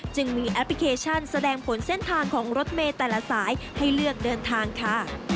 จึงมีแอปพลิเคชันแสดงผลเส้นทางของรถเมย์แต่ละสายให้เลือกเดินทางค่ะ